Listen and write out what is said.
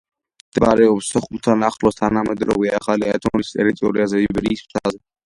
მდებარეობს სოხუმთან ახლოს, თანამედროვე ახალი ათონის ტერიტორიაზე, ივერიის მთაზე.